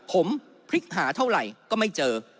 ผมพลิกหาเท่าไหร่ก็ไม่เจอ